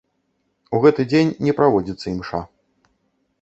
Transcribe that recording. У гэты дзень не праводзіцца імша.